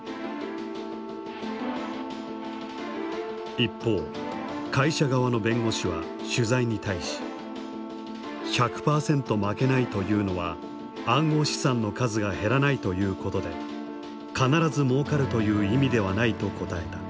一方会社側の弁護士は取材に対し「１００％負けないというのは暗号資産の数が減らないということで必ずもうかるという意味ではない」と答えた。